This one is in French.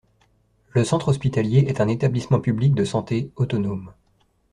Le centre hospitalier est un établissement public de santé, autonome.